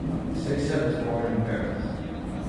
Saiset was born in Paris.